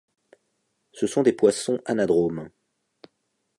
Ce sont des poissons anadromes.